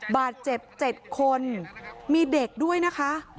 บาดเจ็บ๗คนมีเด็กด้วยนะคะ